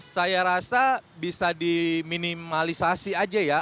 saya rasa bisa diminimalisasi aja ya